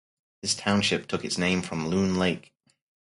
This township took its name from Loon Lake.